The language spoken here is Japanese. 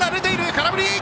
空振り！